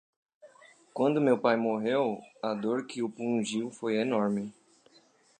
Quando meu pai morreu, a dor que o pungiu foi enorme